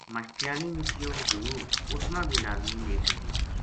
ماشٹریانی نے کہیو ضرور اُس نا بے لازمی لے آیئے